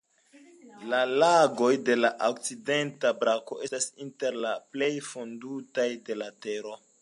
La lagoj de la okcidenta brako estas inter la plej profundaj de la Tero.